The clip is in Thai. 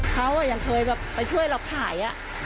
เขายังเคยแบบไปช่วยเราขาย